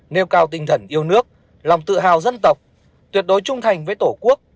nêu cao tinh thần yêu nước lòng tự hào dân tộc tuyệt đối trung thành với tổ quốc